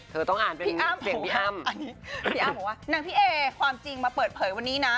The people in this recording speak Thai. เธอต้องอ่านเป็นเสียงพี่อ้ามพี่อ้ามพูดว่านางพี่เอความจริงมาเปิดเผยวันนี้นะ